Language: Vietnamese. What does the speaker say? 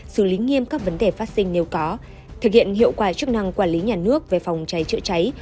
xử lý nghiêm các vấn đề phát sinh nếu có thực hiện hiệu quả chức năng quản lý nhà nước về phòng cháy chữa cháy